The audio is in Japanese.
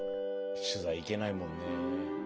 取材行けないもんね。